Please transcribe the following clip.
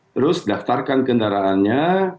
terus daftarkan kendaraannya